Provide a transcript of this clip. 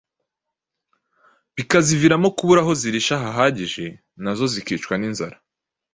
bikaziviramo kubura aho zirisha hahagije na zo zikicwa n’inzara